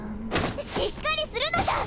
しっかりするのじゃ！